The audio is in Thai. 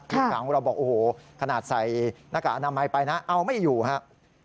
ทีมข่าวของเราบอกโอ้โหขนาดใส่หน้ากากอนามัยไปนะเอาไม่อยู่ครับ